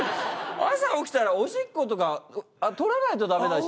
朝起きたらおしっことか取らないとダメだし。